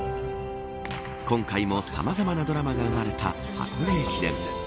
今回もさまざまなドラマが生まれた箱根駅伝。